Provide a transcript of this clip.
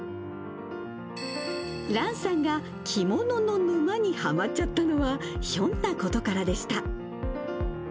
蘭さんが着物の沼にはまっちゃったのは、ひょんなことからでした。